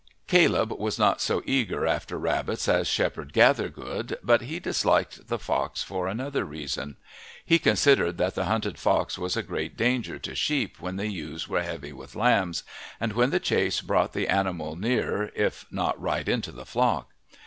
Caleb was not so eager after rabbits as Shepherd Gathergood, but he disliked the fox for another reason. He considered that the hunted fox was a great danger to sheep when the ewes were heavy with lambs and when the chase brought the animal near if not right into the flock.